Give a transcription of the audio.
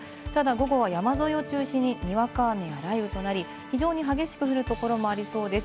ただ午後は山沿いを中心ににわか雨や雷雨となり、非常に激しく降るところもありそうです。